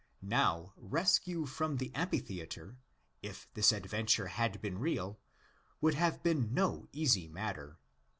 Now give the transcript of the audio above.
Now, rescue from the amphitheatre, if this adventure had been real, would have been no easy matter.